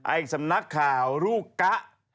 สำนักข่าวลูกกะ